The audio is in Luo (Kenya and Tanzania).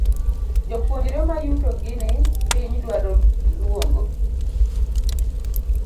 Jopuonjre mayuto gi ni piny dwaro iluongo